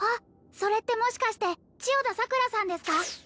それってもしかして千代田桜さんですか？